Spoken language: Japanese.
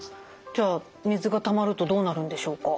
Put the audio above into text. じゃあ水がたまるとどうなるんでしょうか？